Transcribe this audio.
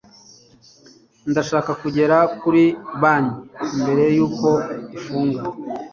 ndashaka kugera kuri banki mbere yuko ifunga